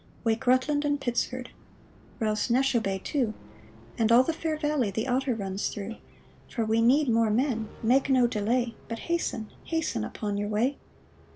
Wake Rutland and Pittsford ! Rouse Neshobe, too, And all the fair valley the Otter runs through — For we need more men ! Make no delay, But hasten, hasten, upon your way